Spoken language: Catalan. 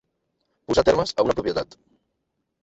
Posar termes a una propietat.